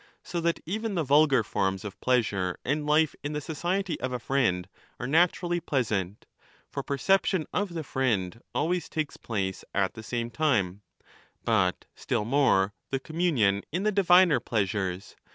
^ So that even the vulgar forms of pleasure and life in the society of a friend are naturally pleasant (for perception of the friend always takes place at the same time), but still more the communion in the diviner pleasures.